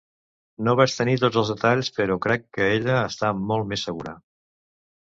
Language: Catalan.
No vaig tenir tots els detalls, però crec que ella està molt més segura.